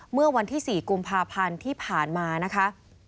เมื่อวันที่๔กุมภาพันธ์ที่ผ่านมานะคะ